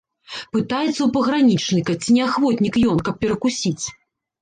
Пытаецца ў пагранічніка, ці не ахвотнік ён, каб перакусіць.